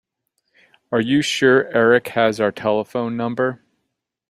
Are you sure Erik has our telephone number?